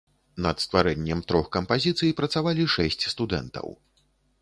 Над стварэннем трох кампазіцый працавалі шэсць студэнтаў.